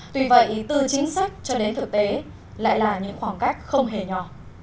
tuy vậy từ chính sách cho đến thực tế lại là những khoảng cách không hề nhỏ